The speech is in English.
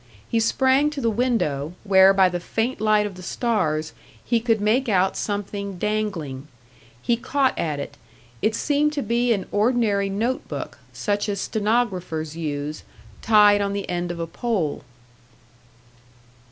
He sprang to the window, where by the faint light of the stars he could make out something dangling. He caught at it; it seemed to be an ordinary note book, such as stenographers use, tied on the end of a pole.